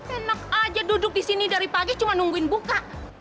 enak aja duduk di sini dari pagi cuma nungguin buka